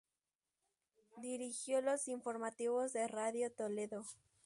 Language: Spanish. Dirigió los informativos de Radio Toledo.